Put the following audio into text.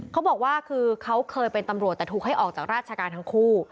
เขาบอกว่าคือเขาเคยเป็นตำรวจแต่ถูกให้ออกจากราชการทั้งคู่